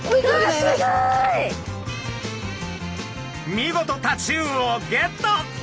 見事タチウオをゲット！